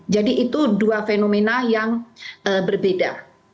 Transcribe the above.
jadi itu dua fenomena yang berbeda